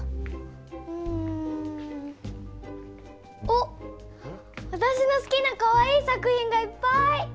おっわたしの好きなかわいい作品がいっぱい！